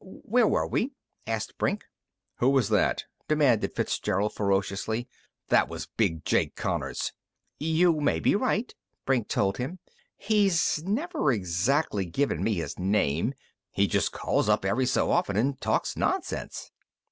where were we?" asked Brink. "Who was that?" demanded Fitzgerald ferociously. "That was Big Jake Connors!" "You may be right." Brink told him. "He's never exactly given me his name. He just calls up every so often and talks nonsense."